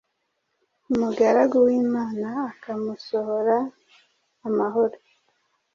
umugaragu w’Imana akamusohora amahoro.